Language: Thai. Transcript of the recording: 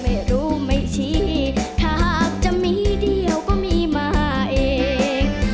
ไม่รู้ไม่ชี้หากจะมีเดียวก็มีมาเอง